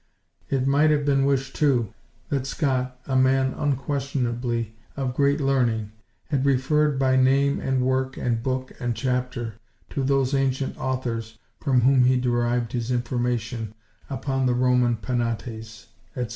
It might have been wished, too, that Scot, a man unquestionably of great learning, had referred, by name and work and book and chapter, to those ancient authors from whom he derived his information upon the Roman penates, etc.